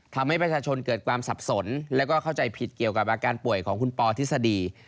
ทำให้ประชาชนเกิดความสับสนแล้วก็เข้าใจผิดเกี่ยวกับอาการป่วยของคุณปอทฤษฎี